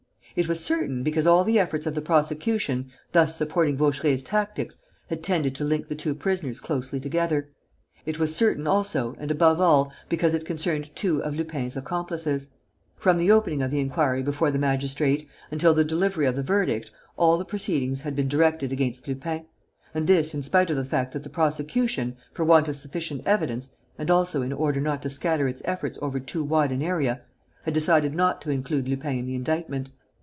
It was certain because all the efforts of the prosecution, thus supporting Vaucheray's tactics, had tended to link the two prisoners closely together. It was certain, also and above all, because it concerned two of Lupin's accomplices. From the opening of the inquiry before the magistrate until the delivery of the verdict, all the proceedings had been directed against Lupin; and this in spite of the fact that the prosecution, for want of sufficient evidence and also in order not to scatter its efforts over too wide an area, had decided not to include Lupin in the indictment.